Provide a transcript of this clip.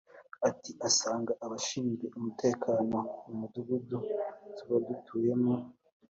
Ati “Usanga abashinzwe umutekano mu Midugudu tuba dutuyemo